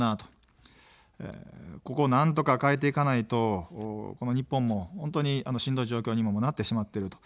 ここをなんとか変えていかないと日本も本当にしんどい状況にもなってしまってる。